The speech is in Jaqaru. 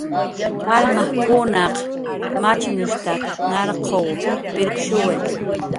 Karmajkunaq machnushtak narquw pirqshuwi